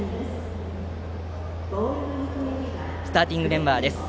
スターティングメンバーです。